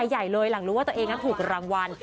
หลังรู้ว่าตัวเองถูกรางวัล